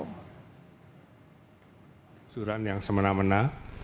pelusuran yang semena mena